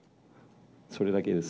それだけです。